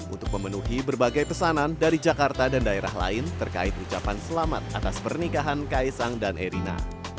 untuk memenuhi berbagai pesanan dari jakarta dan daerah lain terkait ucapan selamat atas pernikahan kaisang dan erina